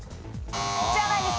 じゃないんです。